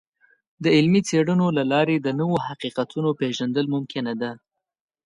د علمي څیړنو له لارې د نوو حقیقتونو پیژندل ممکنه ده.